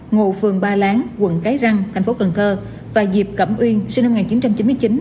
ngộ phường ba lán quận cái răng tp cn và diệp cẩm uyên sinh năm một nghìn chín trăm chín mươi chín